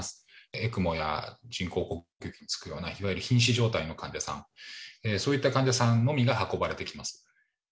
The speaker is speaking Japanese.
エクモや人工呼吸器もつくような、いわゆるひん死状態の患者さん、そういった患者さんのみが運ばれてきます。